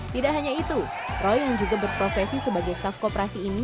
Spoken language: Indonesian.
tidak hanya itu roy yang juga berprofesi sebagai staff kooperasi ini